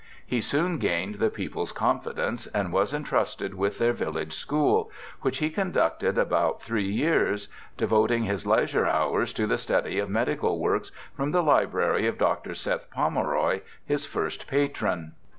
He soon gained the people's confidence, A BACKWOOD PHYSIOLOGIST 179 and was entrusted with their village school, which he conducted about three years, devoting his leisure hours to the study of medical works from the library of Dr. Seth Pomeroy, his first patron.